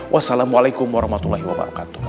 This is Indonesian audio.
wassalamualaikum warahmatullahi wabarakatuh